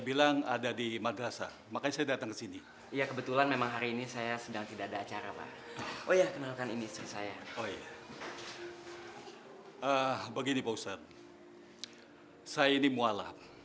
sebagian rezeki saya adalah sebagian rezeki poset kamar